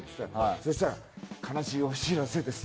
そしたら悲しいお知らせです。